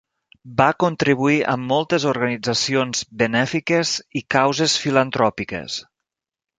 Va contribuir a moltes organitzacions benèfiques i causes filantròpiques.